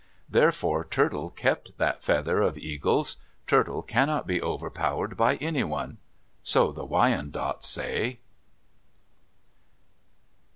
Therefore Turtle kept that feather of Eagle's. Turtle cannot be overpowered by anyone—so the Wyandots say.